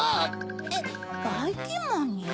えっばいきんまんに？